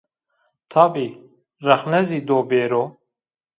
Tabî rexne zî do bêro